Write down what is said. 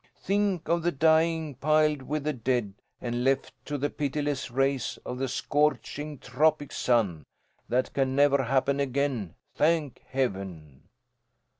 Think of the dying piled with the dead and left to the pitiless rays of a scorching, tropic sun. That can never happen again, thank Heaven!